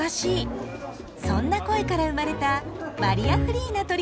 そんな声から生まれたバリアフリーな取り組みなんです。